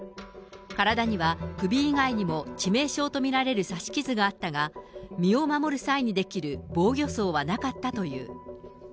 体には首以外にも致命傷と見られる刺し傷があったが、身を守る際に出来る防御創はなかったという。